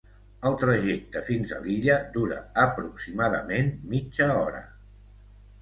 El trajecte fins a l'illa dura aproximadament mitja hora.